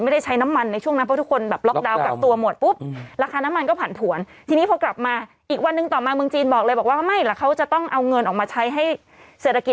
เดี่ยวขยายตัวปุ๊บราคาน้ำมันก็ขลาบขึ้นมาอีก